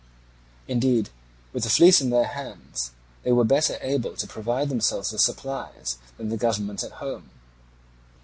Indeed, with the fleet in their hands, they were better able to provide themselves with supplies than the government at home.